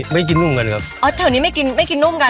ไม่กินนุ่มกันครับอ๋อแถวนี้ไม่กินไม่กินนุ่มกัน